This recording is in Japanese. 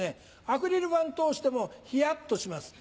アクリル板通しても冷やっとします。